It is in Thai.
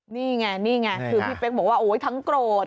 นี่ไงคือพี่เป๊กบอกว่าทั้งโกรธ